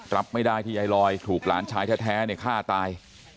รับไม่ได้ที่ยายลอยถูกหลานชายแท้ฆ่าตาย